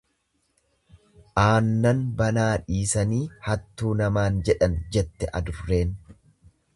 Aannan banaa dhisanii hattuu namaan jedhan jette adurreen.